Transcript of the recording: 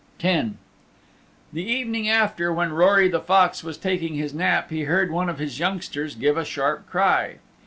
X The evening after when Rory the Fox was taking his nap he heard one of his youngsters give a sharp cry.